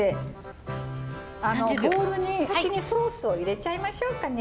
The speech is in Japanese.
あのボウルに先にソースを入れちゃいましょうかね。